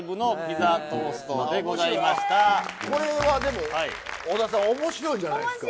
これはでも小田さん面白いんじゃないですか？